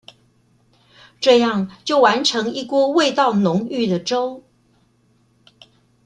這樣就完成一鍋味道濃郁的粥